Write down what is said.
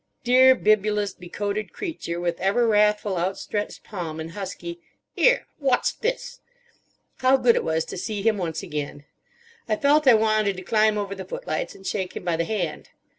Dear bibulous, becoated creature, with ever wrathful outstretched palm and husky "'Ere! Wot's this?" How good it was to see him once again! I felt I wanted to climb over the foot lights and shake him by the hand.